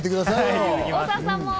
大沢さんも？